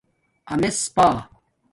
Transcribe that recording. امِسپݳ